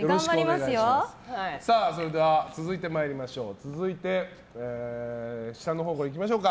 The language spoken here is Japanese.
それでは続いて下のほうからいきましょうか。